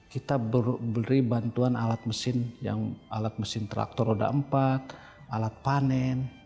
kita beri bantuan alat mesin alat mesin traktor roda empat alat panen